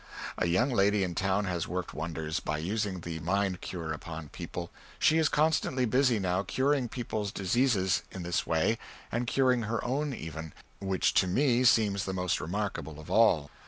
A young lady in town has worked wonders by using the "Mind Cure" upon people; she is constantly busy now curing peoples deseases in this way and curing her own even, which to me seems the most remarkable of all.